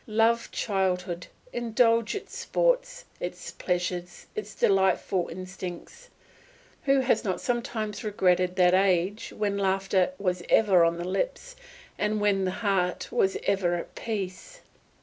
Love childhood, indulge its sports, its pleasures, its delightful instincts. Who has not sometimes regretted that age when laughter was ever on the lips, and when the heart was ever at peace?